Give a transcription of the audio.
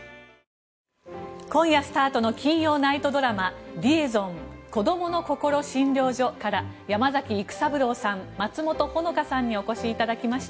今夜スタートの金曜ナイトドラマ「リエゾン‐こどものこころ診療所‐」から山崎育三郎さん、松本穂香さんにお越しいただきました。